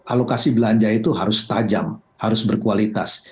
alokasi belanja itu harus tajam harus berkualitas